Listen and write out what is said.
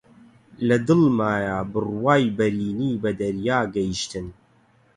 لە دڵمایە بڕوای بەرینی بە دەریا گەیشتن